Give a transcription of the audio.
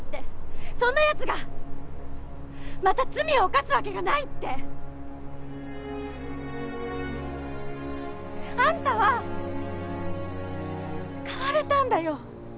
そんな奴がまた罪を犯すわけがないって！あんたは変われたんだよ！